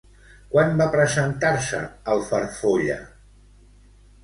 Quan va presentar-se el Farfolla?